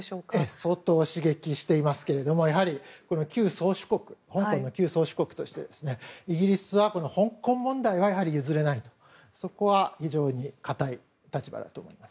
相当刺激していますけれどもやはり、旧宗主国としてイギリスは香港問題は譲れないと、そこは非常に固い立場だと思います。